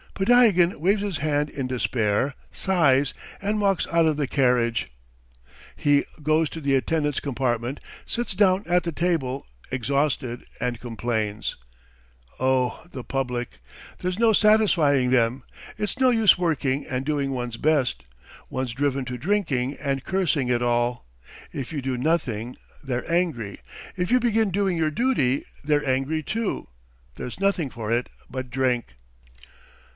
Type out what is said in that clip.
Podtyagin waves his hand in despair, sighs, and walks out of the carriage. He goes to the attendants' compartment, sits down at the table, exhausted, and complains: "Oh, the public! There's no satisfying them! It's no use working and doing one's best! One's driven to drinking and cursing it all .... If you do nothing they're angry; if you begin doing your duty, they're angry too. There's nothing for it but drink!"